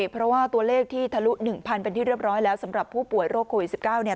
เพราะว่าตัวเลขที่ทะลุ๑๐๐เป็นที่เรียบร้อยแล้วสำหรับผู้ป่วยโรคโควิด๑๙เนี่ย